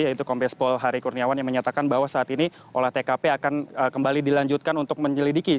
yaitu kombespol hari kurniawan yang menyatakan bahwa saat ini olah tkp akan kembali dilanjutkan untuk menyelidiki